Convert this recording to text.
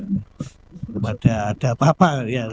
bagaimana ada apa apa ya